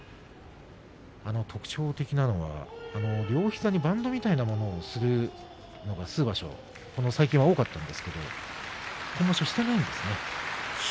特徴的なのは両膝にバンドみたいなのをするのが数場所、ここ最近多かったんですが今場所はしていないんですね。